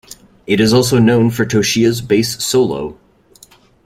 It is also known for Toshiya's bass solo.